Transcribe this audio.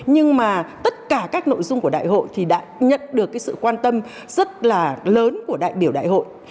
nhưng mà tất cả các nội dung của đại hội thì đã nhận được sự quan tâm rất là lớn của đại biểu đại hội